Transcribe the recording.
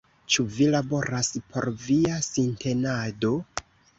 Ĉu vi laboras por via sintenado?